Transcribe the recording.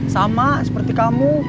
sama seperti kamu